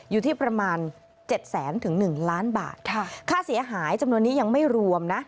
อยู่ที่ประมาณ๗แสนถึง๑ล้านบาทค่าเสียหายจำนวนนี้ยังไม่รวมนะ